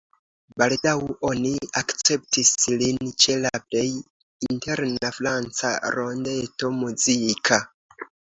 Baldaŭ oni akceptis lin ĉe la plej interna franca rondeto muzika.